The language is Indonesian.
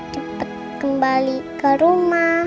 cepat kembali ke rumah